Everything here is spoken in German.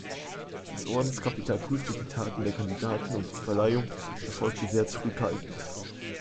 Das Ordenskapitel prüfte die Taten der Kandidaten und die Verleihung erfolgte sehr zurückhaltend.